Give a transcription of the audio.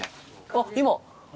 あっ今。